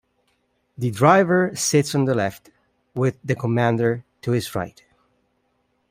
The driver sits on the left, with the commander to his right.